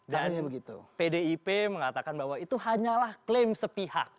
dan pdip mengatakan bahwa itu hanyalah klaim sepihak